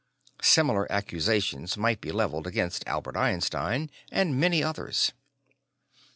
Similar accusations might be leveled against Albert Einstein and many others.